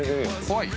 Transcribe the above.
◆怖い？